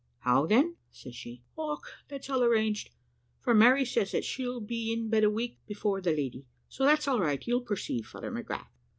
"`How then?' says she. `Och! that's all arranged; for Mary says that she'll be in bed a week before the lady, so that's all right, you'll perceive, Father McGrath.'